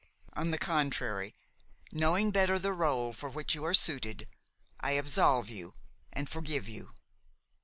On the contrary, knowing better the rôle for which you are suited, I absolve you and forgive you.